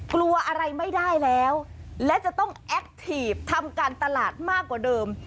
กลัวอะไรไม่ได้แล้วและจะต้องแอคทีฟทำการตลาดมากกว่าเดิม